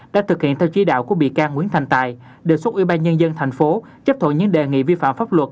đã thực hiện theo chí đạo của bị can nguyễn thành tài đề xuất ủy ban nhân dân thành phố chấp thuận những đề nghị vi phạm pháp luật